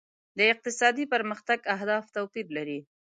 د اقتصادي پرمختګ اهداف توپیر لري.